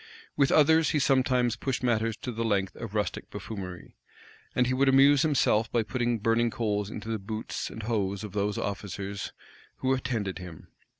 [*] With others he sometimes pushed matters to the length of rustic buffoonery; and he would amuse himself by putting burning coals into the boots and hose of the officers who attended him.